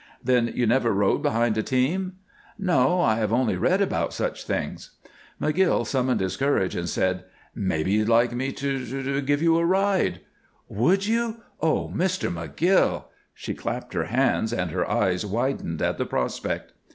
"Then you never rode behind a team?" "No. I have only read about such things." McGill summoned his courage and said, "Mebbe you'd like me to give you a ride?" "Would you? Oh, Mr. McGill!" She clapped her hands, and her eyes widened at the prospect.